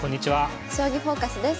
「将棋フォーカス」です。